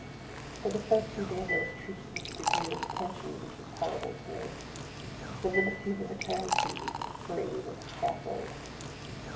For the first few days I was treated with a degree of atten tion which was horrible to me, — the civilities of a turnkey breathe of a scaffold.